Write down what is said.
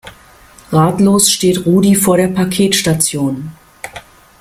Ratlos steht Rudi vor der Paketstation.